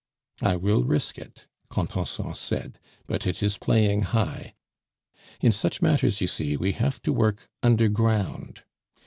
"I will risk it," Contenson said, "but it is playing high. In such matters, you see, we have to work underground.